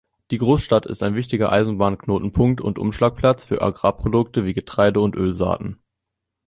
Die Großstadt ist ein wichtiger Eisenbahnknotenpunkt und Umschlagplatz für Agrarprodukte wie Getreide und Ölsaaten.